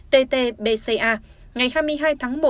ttbca ngày hai mươi hai tháng một